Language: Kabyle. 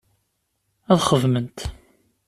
Ad xedment.